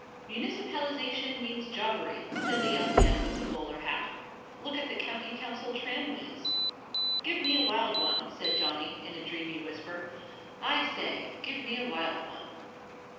"Municipalisation means jobbery," said the young man with the bowler hat; "look at the County Council tramways." "Give me a wild one," said Johnny, in a dreamy whisper; "I say, give me a wild one."